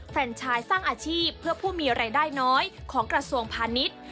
แฟนชายสร้างอาชีพเพื่อผู้มีรายได้น้อยของกระทรวงพาณิชย์